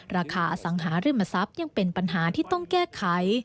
อสังหาริมทรัพย์ยังเป็นปัญหาที่ต้องแก้ไข